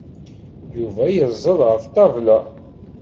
Yuba yeẓẓel ɣef ṭṭabla.